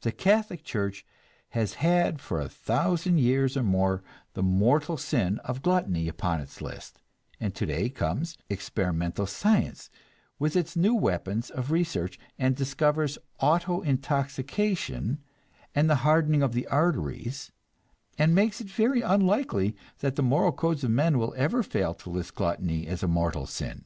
The Catholic Church has had for a thousand years or more the "mortal sin" of gluttony upon its list; and today comes experimental science with its new weapons of research, and discovers autointoxication and the hardening of the arteries, and makes it very unlikely that the moral codes of men will ever fail to list gluttony as a mortal sin.